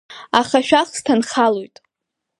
Аха ашәахсҭа анхалоит.